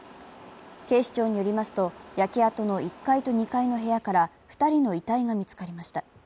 警視庁によりますと、焼け跡の１階と２階の部屋から２人の遺体が見つかりました。